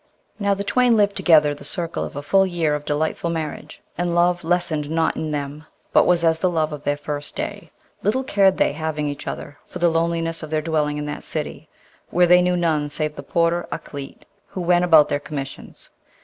Now, the twain lived together the circle of a full year of delightful marriage, and love lessened not in them, but was as the love of the first day. Little cared they, having each other, for the loneliness of their dwelling in that city, where they knew none save the porter Ukleet, who went about their commissions.